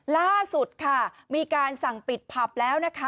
ล่าสุดค่ะมีการสั่งปิดผับแล้วนะคะ